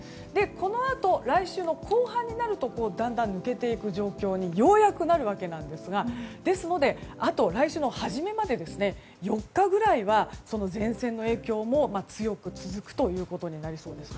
このあと、来週の後半になるとだんだん抜けていく状況にようやくなるわけなんですがですので、あと来週の初めまで４日ぐらいは前線の影響も強く続くことになりそうです。